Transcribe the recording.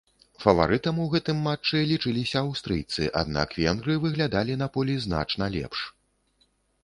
Фаварытам у гэтым матчы лічыліся аўстрыйцы, аднак венгры выглядалі на полі значна лепш.